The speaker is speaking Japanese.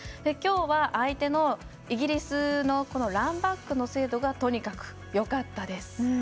きょうは、相手のイギリスのランバックの精度がとにかく、よかったです。